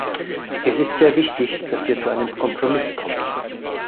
Es ist sehr wichtig, dass wir zu einem Kompromiss kommen.